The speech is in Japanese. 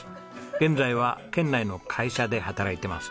現在は県内の会社で働いています。